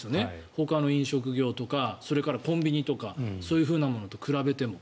ほかの飲食業とかコンビニとかそういうものと比べても。